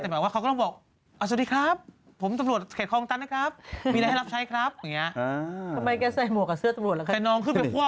นั่กเพราะตำรวจบางทีเขาช่วยเหลือประชาชนไง